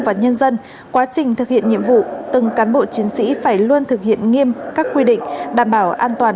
và nhân dân quá trình thực hiện nhiệm vụ từng cán bộ chiến sĩ phải luôn thực hiện nghiêm các quy định đảm bảo an toàn